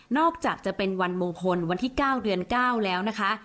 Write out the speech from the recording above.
อกจากจะเป็นวันมงคลวันที่๙เดือน๙แล้วนะคะ